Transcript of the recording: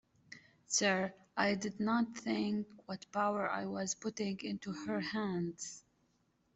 Sir, I did not think what power I was putting into her hands.